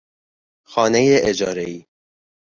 خانهی اجارهای